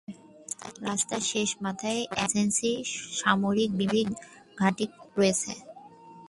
রাস্তার শেষ মাথায় এক ইমার্জেন্সি সামরিক বিমান ঘাঁটি রয়েছে।